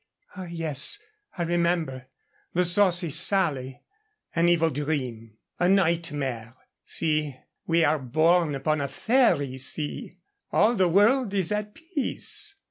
"Ah, yes, I remember. The Saucy Sally " "An evil dream, a nightmare. See; we are borne upon a fairy sea. All the world is at peace.